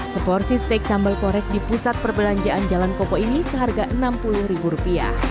seporsi steak sambal korek di pusat perbelanjaan jalan koko ini seharga rp enam puluh